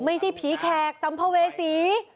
ไม่ใช่ผีแขกสัมภเวษี